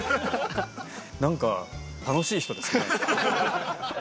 なんか、楽しい人ですね。